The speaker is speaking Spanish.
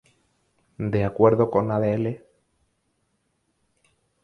De acuerdo con Adl.